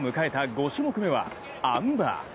５種目めは、あん馬。